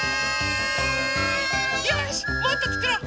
よしもっとつくろう！